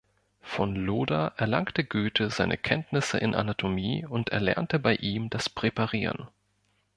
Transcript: Von Loder erlangte Goethe seine Kenntnisse in Anatomie und erlernte bei ihm das Präparieren.